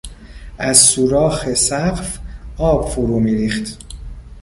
از سوراخ سقف آب فرو میریخت.